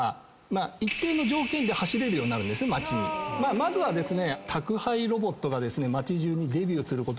まずはですね。